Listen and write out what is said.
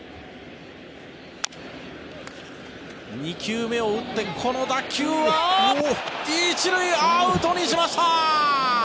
２球目を打って、この打球は１塁、アウトにしました！